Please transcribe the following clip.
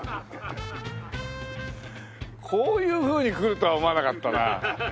こういうふうにくるとは思わなかったな。